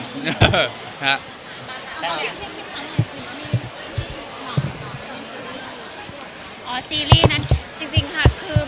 คือไม่มีการติดต่อมากค่ะก็คงไม่ใช่คลิมแน่นอน